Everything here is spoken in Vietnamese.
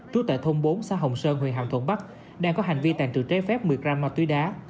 trú tại thôn bốn xã hồng sơn huyện hàm thuận bắc đang có hành vi tàn trự trái phép một mươi gram ma túy đá